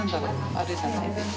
あるじゃないですか。